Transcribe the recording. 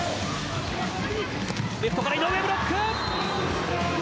レフトから井上ブロック。